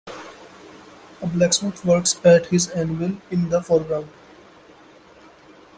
A blacksmith works at his anvil in the foreground.